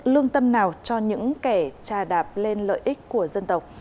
lương tâm nào cho những kẻ trà đạp lên lợi ích của dân tộc